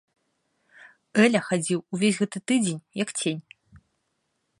Эля хадзіў увесь гэты тыдзень, як цень.